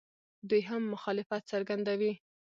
دوی هم مخالفت څرګندوي.